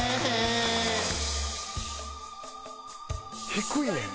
低いねん。